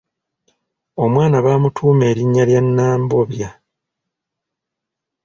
Omwana baamutuuma erinnya lya Nambobya.